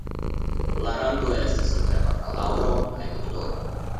La rango estas inter bakalaŭro kaj doktoro.